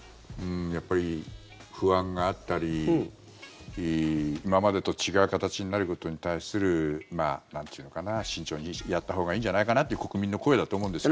やっぱり不安があったり今までと違う形になることに対する慎重にやったほうがいいんじゃないかなという国民の声だと思うんですけど。